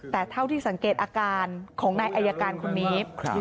แต่เท่าที่สังเกตอาการของนายอายการคนนี้